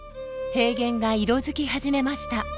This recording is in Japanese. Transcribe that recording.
平原が色づき始めました。